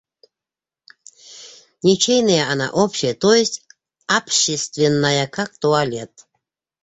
Ничейная она... общая, то есть, апщественная... как туалет...